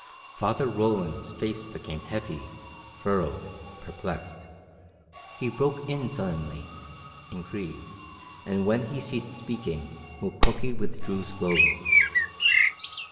Father Roland's face became heavy, furrowed, perplexed. He broke in suddenly, in Cree, and when he ceased speaking Mukoki withdrew slowly.